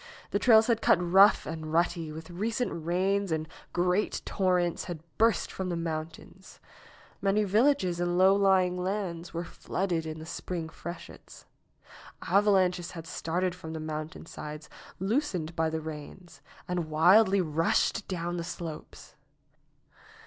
The trails had cut rough and rutty with recent rains and great torrents had burst from the mountains. Many villages and low lying lands were flooded in the spring freshets. Avalanches had started from the mountainsides, loosened by the rains, and wildly rushed down the slopes.